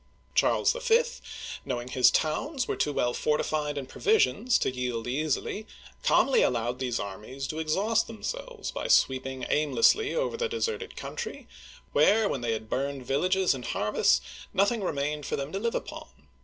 Charles V., knowing his towns were too well fortified and provisioned to yield easily, calmly allowed these armies to exhaust themselves by sweeping aimlessly over the de serted country, where, when they had burned villages and harvests, nothing remained for them to live upon.